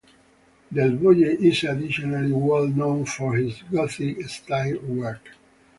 Delvoye is additionally well known for his "gothic" style work.